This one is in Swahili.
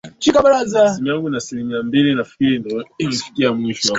yakiendelea kufanya mashambulizi kwajili ya kutekeleza azimio la umoja mataifa